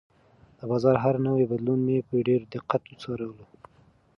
د بازار هر نوی بدلون مې په ډېر دقت وڅارلو.